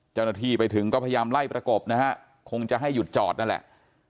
เจ้าหน้าที่ไปถึงก็พยายามไล่ประกบนะฮะคงจะให้หยุดจอดนั่นแหละ